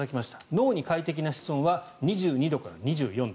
脳に快適な室温は２２度から２４度。